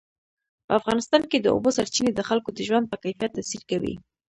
په افغانستان کې د اوبو سرچینې د خلکو د ژوند په کیفیت تاثیر کوي.